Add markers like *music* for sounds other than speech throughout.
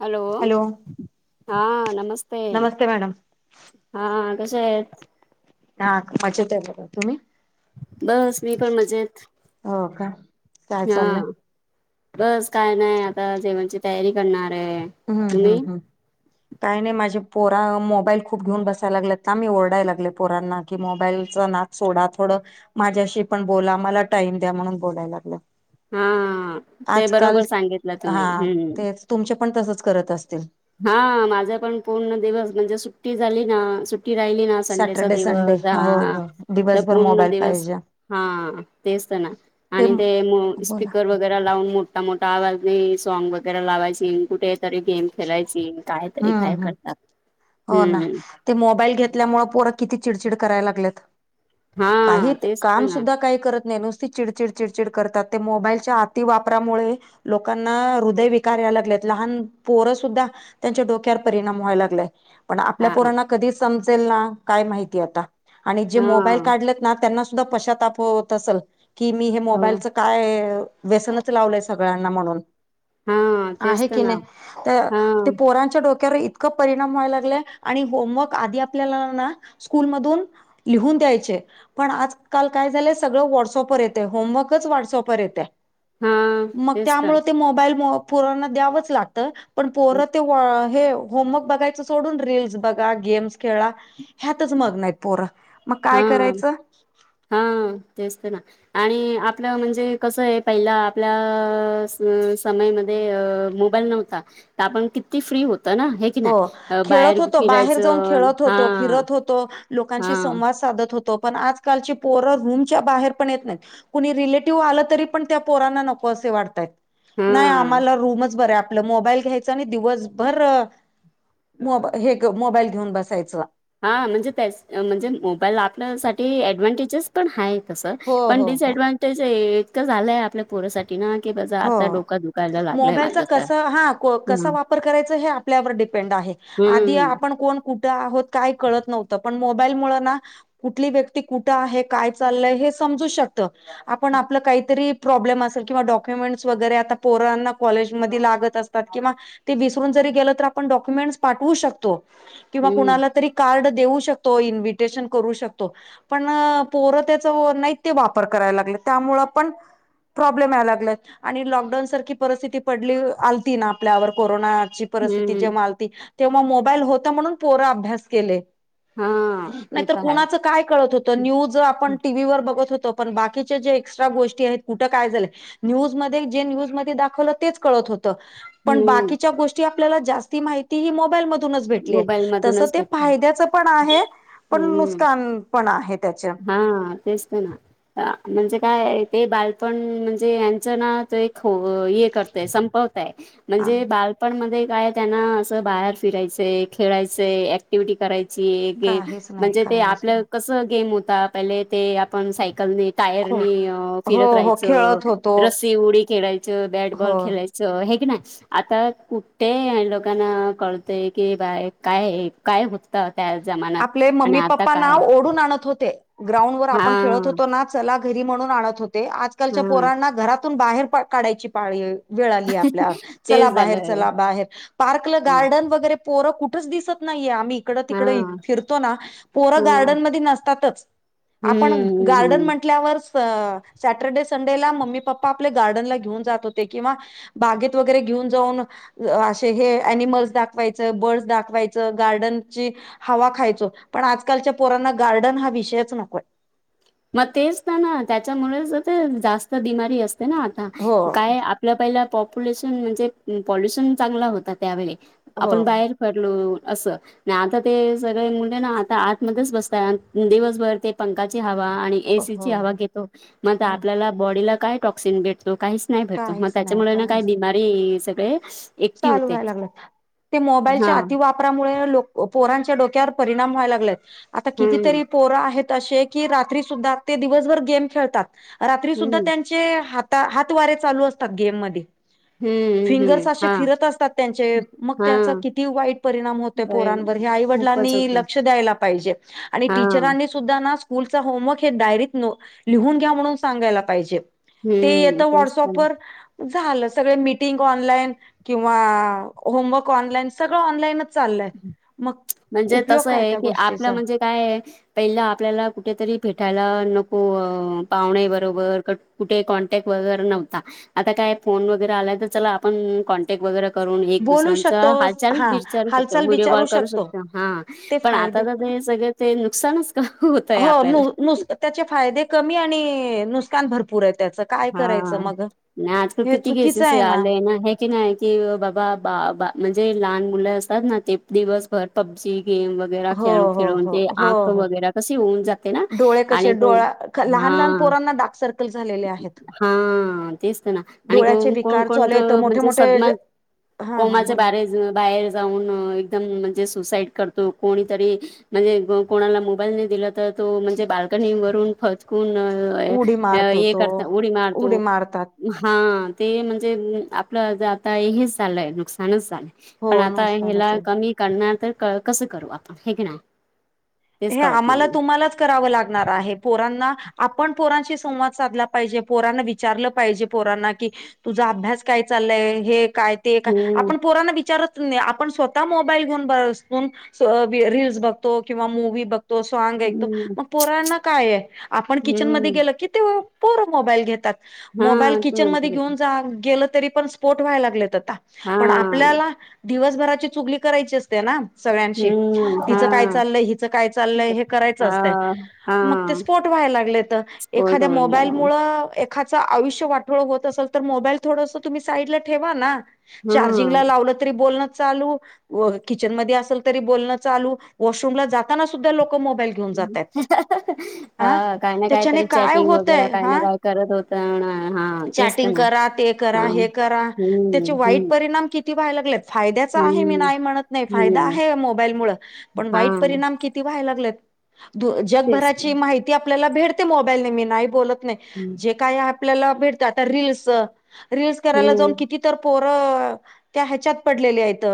Hello हा नमस्ते. नमस्ते मॅडम. हा कस आहेत. हा मजेत बघ तुम्ही. बस मी पण मजेत. हो का? काय हा चाललंय? बस काय नाही आता जेवणची तयारी करणार आहे. हम्म तुम्ही हम्म हम्म. काही नाही माझे पोरा मोबाईल खूप घेऊन बसायला लागलेतता मी ओरडाय लागले पोरांना. की मोबाईलचा नाद सोडा थोडं. माझ्याशी पण बोला, मला टाइम द्या म्हणून बोलाय लागला. हा ते आजकाल बरोबर सांगितलं तुम्ही हा हम्म ते तुमचे पण तसच करत असतील. हा माझा पण पूर्ण दिवस म्हणजे सुट्टी झाली ना, सुट्ट- की राहिली ना संडेचा सॅटर्डे संडे दिवस हो हा हो तर दिवसभर पूर्ण मोबाईल दिवस. पाहिजे हा तेच तर ना ते आणि ते बोला. स्पीकर. वगैरे लावून मोठा मोठा आवाजने सॉ्ग वगैरे लावायची कुठे तरी गेम खेळायची. कायतरी हम्म काय हम्म करतात हो ना. हम्म. ते मोबाईल घेतल्यामुळे पोर किती चिडचिड करायला लागलेत. काही हा तेच काम तर ना सुद्धा काय करत नाही नुस ते चिडचिड चिडचिड करतात. ते मोबाईलच्या अति वापरामुळे लोकांना हृदय विकार यायला लागलेत लहान पोरं सुुद्धा. त्यांच्या डोक्यावर परिणाम व्हायला लागलाय पण आपल्या हा पोरांना कधीच समजेल ना काय माहिती आता. आणि जे हा मोबाईल काढलेत ना त्यांना सुद्धा पशातप होत असेल की मी हे हो मोबाईलच. काय व्यसनच लावलंय सगळ्यांना म्हणून. हा तेच आहे तर की ना नाही तर. हा ते पोरांच्या डोक्यावर इतकं परिमाण व्हाय लागलाय आणि होमवर्क आधी आपल्याना स्कूल मधून लिहून द्यायचे. पण आजकाल काय झालंय, सगळं व्हॉट्सअपवर येतंय. होमवर्कच व्हॉट्सअपवर येते. हा मग तेच तर त्यामुळं ते मोबाईलमुळं पोरांना द्यावच लागतं. पण पोरं ते हे होमवर्क बघायचं सोडून, रील्स बघा, गेम्स खेळा. ह्यातच मग्न आहेत पोरं, मग हा काय करायचं. हा तेच ते ना. आणि आपलं म्हणजे कसं आहे पहिला आपल्या अ समयमध्ये अ बल नव्हता तर आपणम किती फ्री होतो ना हे. की हो नाही अ, बाहेर खेळत होतो बाहेर जाऊन फिरायचं खेळत हा होतो फिरत होतो हा लोकांशी संवाद साधत होतो. तो पण आजकालची पोरं रूमच्या बाहेर पण येत नाहीत. कुणी रिलेटिव्ह आलं तरी पण त्या पोरांना नकोसे वाटतयत. नाही हा आम्हाला रूमच बर आहे. आपलं मोबाईल घ्यायच आणि दिवसभर. मोबा हे मोबाईल घेऊन बसायचं. हा म्हणजे त्याच म्हणजे मोबाईल आपल्यांसाठी ऍडव्हनटेजेस पण आहेत. तसं, ‌ हो पण हो हो डिसऍडव्हनटेज इतकं झालंय आपल्या पोरासाठी ना, की माझा हो आता डोका दुखायला लागलाय मोबाईलचा माझं तर. कसा हा कसा हं, वापर करायचा हे आ आपल्यावर डिपेंड आहे. आधी हं, आपण कोण कुठे आहोत काय कळत नव्हतं, पण मोबाईल मुळं ना कुठली व्यक्ती कुठं आहे काय चाललंय हे समजू शकतं. आपण आपलं काहीतरी प्रॉब्लेम असेल किंवा डॉक डॉक्युमेंट्स वगैरे आता पोरांना कॉलेजमध्ये लागत असतात किंवा ते विसरून जरी गेलो तर आपण डॉक्युमेंट पाठवू शकतो किंवा कुणाला हं, तरी. कार्ड देऊ शकतो, इन्व्हिटेशन करू शकतो. पण पोरं तेच नाहीत ते वापर करायला लागले त्यामुळे पण. प्रॉब्लेम याय लागलाय. आणि लॉकडाऊन सारखी परिस्थिती पडली आलती ना, आपल्यावर कोरोनाची परिस्थिती हं. जेव्हा तेव्हा मोबाईल होतं म्हणून पोर अभ्यास केले. हां, ते नाहीतर तर आहे. कुणाच काय कळत होतं. तो न्यूज आपण टीव्ही वर बघत होतो, पण बाकीचे जे एक्स्ट्रा गोष्टी आहेत कुठं काय झालंय न्यूजमध्ये जे न्यूजमध्ये दाखवलं तेच कळत होतं. पण हं, बाकीच्या गोष ची आपल्याला जास्ती माहिती हह मोबाईल मधूनच भेटलीये. मोबाईल तसं मधूनच ते भेटतात. फायद्याच पण आहे पण हं. नुसकान पण आहे त्याच‌ं. हा तेच ते ना. म्हणजे काय ते बालपण म्हणजे यांचं ना तो एक अ हे करतय संपव तंय म्हणजे बालपणमध्ये काय त्यांना असं बाहेर फिरायचं ते खेळायचे, ऍक्टिव्हटी करायची, गेम काहीच नाही म्हणजे ते काहीच आपलं नाही. कसं गेम होता पहिले ते आपण सायकल ने. हो टायरनी फिरत हो हो राहायचं, खेळत होतो रस्सी उडी खेळायचं, बॅटबॉल हो खेळायचं. च हे कणी आता कुठे लोकांना कळतय की बाय काय ये. काय होतं त्या जमान्यात आपले आणि मम्मी आता पप्पा ना काय ओढून आणत होते. ग्राउंडवर आपण खेळत हा होतो ना, चला घरी म्हणून आणत होते. आजकालच्या हा पोरांना घरात *unintelligible* बाहेर काढायची पाळी वेळ आली आपल्यावर. चला तेच बाहेर झालंय चला बाहेर पार्कला हा गार्डन वगैरे पोरं कुठ दिसत नाहीे. आम्ही इकडं हा तिकडं ह फिरतो ना, पोरं हम्म गार्डन मध्ये नसतातच. आपण गार्डन म्हं हम्म म्हटल्यावर अ सॅटर्डे संडेला मम्मी पप्पा आपले गार्डनला घेऊन जात होते किंवा बागेत वगैरे घेऊन जाऊन. असे हे ॲनिमल्स दाखवायचं बर्डस दाखवायचं गार्डनची. हवा खायचो, पण आजकालच्या पोरांना गार्डन हा विषयच नकोय. मग तेच तर ना त्याच्यामुळेच ते जास्त बिमारी असते ना आता हो काय आप आपल्या पहिला पॉप्युलेशन म्हणजे पॉल्युशन चांगला होता त्यावेळी हो आपण बाहेर. हॅलो असं नाही आता ते सगळे मुले ना आता आतमध्येच बसतय दिवसभर ते पंखाची हवा आणि हो एसीची हवा घेतो मग ते हो आपल्याला बॉडीला काय टॉक्सिन भेटतो कायस नाही भेटतो, मग काहीच नाही त्याच्यामुळे ना काही काहीच बिमारी सगळे. एकटी चालू होते व्हाय लागलं ते हा मोबाईलच्या अतिवाप फोनामुले पोरांच्या डोक्यावर परिणाम व्हाय लागत आता हम्म कितीतरी पोर आहेत असे की रात्री सुद्धा ते दिवसभर गेम खेळतात रात्री सुद्धा हम्म ग्या तेहात वारे चालू असतात गेम मध्ये. हम्म हम्म हम्म. हा. त्यां मग त्याचा हा. किती वाईट परिणाम होत पोरांवर हे खूपच आईवडिलांनी होते. लक्ष द्यायला. पाहिजे आणि हा टीचरआणि सुद्धा ना स्कूल होमवर्क डायरीत लिहून घ्या म्हणून सांगायला पाहिजे. ते हम्म. येतं तेच तर व्हॉटसअपवर. झालं सगळ मिीटिंग ऑनलाईन किंवा होमवर्क ऑनलाइन सगळं ऑनलाईनच. चाललाय मग म्हणजे उपयोग तसं काय आहे त्या की आपलं गोष्टीचा? म्हणजे काय आहे पहिलं आपल्याला कुठेतरी फेटायला नको पाहुणे बरोबर कठ कुठे कॉन्टॅक्ट वगैरे नव्हता आता काय फोन वगैरे आलाय तर चला आपण कॉनॅ. क वगैरे करून एक बोलू दुसऱ्यांचा शकतो हार हा बिचारू शत हालचाल व्हिडिओ कॉल विचारू करू शकतो हा ते पण आता फायदे तर ते सगळ ते नुकसानच होत आहे. हो नु नुस्त त्याचे फायदे कमी आणि नुकन भरपूर आहे त्या. हा नाही आजकाल किती चुकीचं केसेस आहे आले ना हे. नाही कि बाबा बा बा म्हणजे लहान मुलं असतात ना ते दिवसभर पबजी गेम व वगै हो खेळून हो खेळून हो ते हो आंख हो. वगैरे कशी होऊन जाते ना डोळे कसे आणि तो. डोळा हा लहान लहान पोरांना डाक सर्कल झालेले आहेत. हा तेच तर ना आणि डोळ्याचे को कोण विकार चालू कोणत आहेत मोठे म्हणजे मोठे सदमात. हा हा कोमाच्या बोला. बार बाहेर जाऊन एकदम म्हणजे सुसाइड करतो कोणीतरी. म्हणजे कोणाला मोबाईल नाही दिला तर तो म्हणजे बालकनीवरून फचकून. उडी मारतो ये तो करता उडी मारतो. हा ते म्हणजे आपलं आता हेच चालंय नुकसानच चालंय, सानसा. हो पण आता नुसकानच ह्याला आहे. कमी करणार तर कसं करू आपण हे क ना. हे आम्हाला तुम्हालाच. करा लागणार पोरांना आपण पोरांशी संवाद साधला पाहिजे पोरांना विच चार्ललं पाहिजे पोरांना की तुझा अभ्यास काय चाललंय हे काय. ते का हम्म, आपण पोरांना विचारत. आपण स्वतः मोबाईलन बून रील्स बघतो किंवा मव बघ तो सॉंग आहे तो हम्म, मग पोरांना काय आहे आपण किचनमध्ये हम्म. गेलं तेव पोर मोबाईल घेतात मोबाईल हां, तू म्हणतो किचनमध्येध्ये तसं. घेऊन जा गेलं तरी पण स्पोट व्हाय लागले तर. *unintelligible* पण हां, आपल्याला दिवसभराची चुगली करायची असत तेना सगळ्यांशी हम्म, हीच काय हां. चाललंय ही काय चाललंय हे करायचं असतं हां, मग ते हां. स्पोर्ट व्हायला लागले त स्पोर्ट एखाद्या होईल मोबाईल मुळं. एखादचाआयुष्य वाटोळ होत असेल तर मोबाईल थोडासा तुम्ही साईडला ठेवा ना. चार्जिंगला हां. लावला तरी बोलणं चालू. किचन म असेल तरी बोलण चालू वॉशरूमला जाताना सुद्धा लोक मोईल घेऊ घेऊन जातात हा हां, काय ना त्याच्याने कायतरी काय चॅटिंग वगैरे होतय काय ना हा. काय करत होता ना हां तेच तर चॅटिंग ना. करा ते करा हां. हे करा त्याचे हम्म, वाईट हम्म, परिणाम किती ती व्हाय लागलेत फायदाच आहे मी हम्म, नाहि म्हणत नाही फायदा हम्म. आहे या मोबाईलमूल पण वाईट हां, परिणाम किती व्हाय लागलेत तेच. जगभराची माहिती आपल्याला भेटते मोबाईल न मी नाही बोलत नाही. हम्म जे काय आपल्याला भेटत आ रील रीलस करायला जाऊन किती तर पोरं त्या ह्याच्यात पडलेली आहेत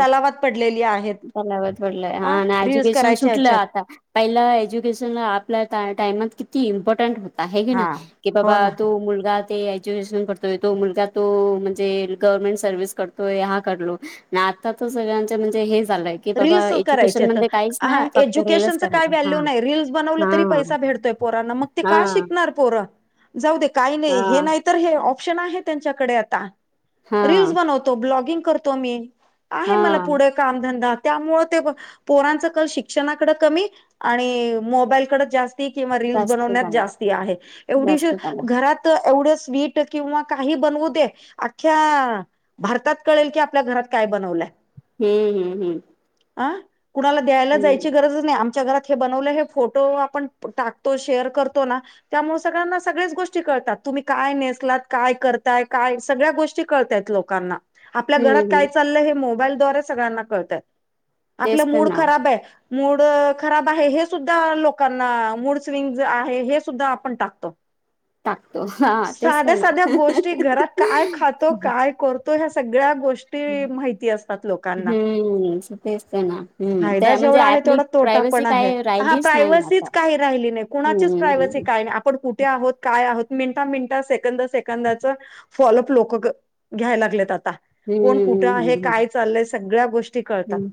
तलावात पडलेली आहेत. लावत पडलंय हा अ आणि रील्स एज्युकेशन करायच्या सुटलं ह्याच्यात आता. पहिला एज्युकेशन आपल्या टाइमात किती इम्पॉर्टंट होत आहे घे ना हा की हो बाबा ना तू मुलगा ते एज्युकेशन करतोय तो मुलगा तो म्हणजे गव्हर्नमेंट सर्व्हिस करतोय हा करलो ना आता तर सगळ्यांच म्हणजे हे झालंय. की रीलल्स बाबा करायचे एज्युकेशन तर मध्ये काहीच हा नाही फक्त रीलच एज्युकेशनचं काय करायचं हा व्हॅल्यू नाही रीलस बनवलं तरी हा पैसा भेडतोय पोरांना मग. ते का हा शिकणार पोर, जाऊ दे काही नाही हे हा नाही तर हे ऑप्शन आहे त्यांच्याकडे आता. रीलल्स हा बनवतो मी ब्लॉगिंग करतो मी आहे मला हा पुढे कामधंदा. त्यामुळे ते पोरांच कल शिक्षणाकडे कमी आणि मोबाईलकडे जास ते किंवा रील जास्त बनवण्यात झाला जा आहे एवढीशि जास्त झाला घरात. एवढं स्वीट किंवा काही बनवू दे अख्ख्या भारतात कळेल, की आपल्या घरात काय बनवलंय. हम्म हम्म हम्म. ह कुणाला द्यायला जायची गरजच नाही आमच्या घरात हे बनवलं हे फोटो आपण टाकतो शेअर करतो ना त्यामुळे सगळ्यांना सगळेच गोष्टी कळतात. तुम्ही काय नेसलात काय करताय काय सगळ्या गोष्टी. ची कलतायेत लोकांना आपल्या हम्म घरात हम्म हम्म काय चाललंय हे मोबाईल दवारे सगळ्यांना कळतायत. आपला तेच तर मूड ना खराब आहे. मूड खराब आहे हे सुद्धा लोकांना मूड स्विंग आहे हे सुद्धा आपण टाकतो. *inaudible* हा तेच तर साध्या ना साध्या गोष्टी घरात काय खातो काय कर तो ह्या सगळ्या गोष्ट हम्म. तेच ते ना. हम्म फायदा त्या म्हणजे जेवढा आहे आपली तेवढा तोटा प्रायव्हसी पण आहे काय हा राहिलीच नाही आता प्रायवसीच काही राहिली नाही कुणाचीच प्रायव्हसी हम्म काही नाही. पण कुठे आहोत काय आहोत मिनिटा मिनिटा सेकंद सेकंदाच फॉलोप लोक ग घ्यायला लागलेत आता कोण हम्म कुठे हे हम्म काय चाललय सगळ्या गोष्टी कळतात हम्म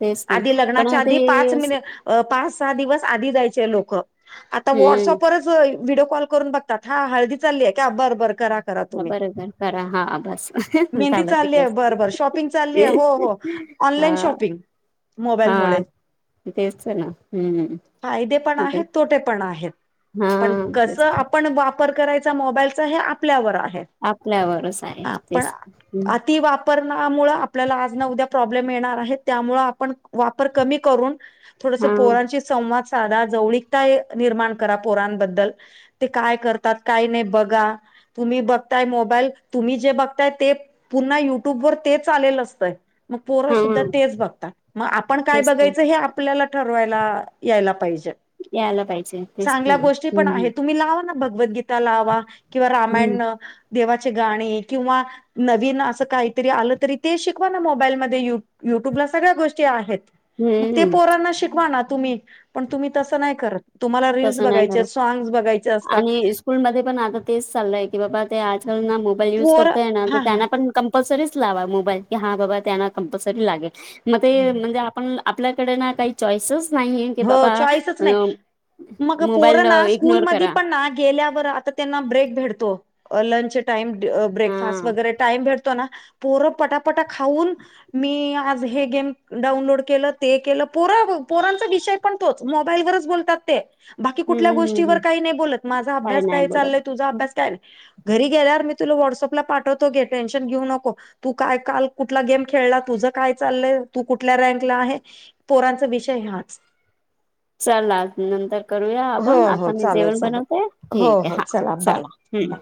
तेच पण आधी लग्नाच्या पण ते आधी पाच मिनीट अ पाच सहा दिवस आधी जायचे लोक आता हम्म व्हॉट्सअपवरच व्हिडओ कॉल करून बघतात हा हळदी चालीय का बर बर. करा करा तुम्ही बरोबर करा हा बस मेहंदी झालं चाललीये तिकडेच बर बर शॉपिंग चालली हो हो. हा ऑनलाईन शॉपिंग, हा मोबाईलमुळे. तेच तर ना हम्म फायदे पण आता आहेत, तोटे पण आहेत. हा पण कस तेच आपण वापर करायचा मोबाईलचा हे आपल्यावर आहे. आपल्यावरच आहे तेच हम. पर ना मुळ आपल्याला आज उद्या प्रॉब्लेम येणार आहे त्यामुळे आपण वापर कमी करून थोडसं हा पोरांशी संवाद साधा जवळीकता निर्माण करा पोरांबद्दल. ते काय करतात काय नाही बघा. तुम्ही बघताय मोबाईल तुम्ही जे बघताय ते पुन्हा युट्यूब वर तेच आलेलं असतय. मग पोर सुद्धा हा तेच बघतात मग आपण काय तेच तर बघायचं हे आप आपल्याला ठरवायला याला पाहिजे यायला पाहिजे तेच तर चांगल्या ना. गोष्टी पण हम्म तुम्ही लावा ना. भगवद्गीता लावा किंवा हम्म. रामायण. देवाचे गाणे किंवा नवीन असं काहीतरी आलं तरी ते शिकवा ना मोबाईलमध्ये येऊन. युट्यूबला सगळ्या गोष्टी आहेत, मग ते हम्म पोरांना शिकवा ना तुम्ही. पण तुम्ही तसं नाही करत, तुम्हाला रीलस तसं बघायचे सॉग्स बघायचे असतात. स्कूल मध्ये पण आता तेच चालय की बाबा ते आजकाल ना मोबाईल युज पोर करतय ना तर हा हा त्यांना पण कम पसरीच लावा मोबाईल की हा बाबा त्यांना कंपल्सरी लागेल मग ते म्हणजे आपण. आपल्याकडे ना काही चॉईसच नाहीये की हो बाबा चॉईसच अ नाही मोबाईल इग्नोर करा. केल्यावर आ त्यांना ब्रेक भेटतो लंच टाईम ब्रेकफास्ट हा. वगैरे टाईम भेट तो ना पोरं पटापटा खाऊन. मी आज हे गेम डाउनलोड केलं ते केलं, पोरं पोरांचं. त विषय पण तोच, मोबाईलवरच बोलतात ते. बाकी हम्म कुठल्या हम्म हम्म. गोष्टीवर काही नाही बोलत, माझा अभ्यास नाही काय चाललय? बोलत. तुझा अभ्यास काय? घरी गेल्यावर मी तुला व्हटसअपला पाठवतो घ टेन्शन घेऊ नको. तू काय काल कुठला गेम खेळला? तुझं काय चाललय? तू कुठल्या रँकला आहे? पोरांचा विषय हाच. चला नंतर करूया हो आपण आता हो मी चालेल जेवण बनवतेय चालेल हो ठीक आहे हो हा. बाय चला बाय हम्म.